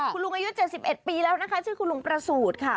คุณลุงอายุ๗๑ปีแล้วนะคะชื่อคุณลุงประสูจน์ค่ะ